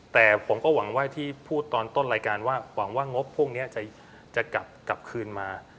แต่ผมก็หวังว่าที่พูดตอนต้นรายการว่าหวังว่างบพวกนี้จะกลับคืนมา